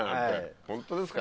ホントですか？